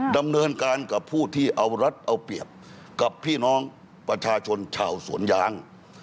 ดำเนินการกับผู้ที่เอารัฐเอาเปรียบกับพี่น้องประชาชนชาวสวนยาง